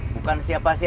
bukankah kita pulang dulu